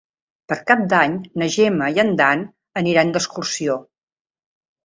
Per Cap d'Any na Gemma i en Dan aniran d'excursió.